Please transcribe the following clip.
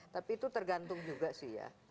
tapi itu tergantung juga sih ya